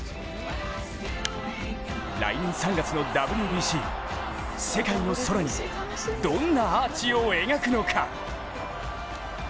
来年３月のＷＢＣ、世界の空にどんなアーチを描くのか。